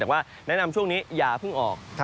แต่ว่าแนะนำช่วงนี้อย่าเพิ่งออก